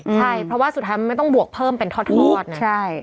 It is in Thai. ใช่เพราะว่าสุดท้ายไม่ต้องบวกเพิ่มเป็นทอดทั้งหมด